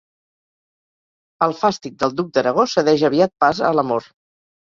El fàstic del duc d'Aragó cedeix aviat pas a l'amor.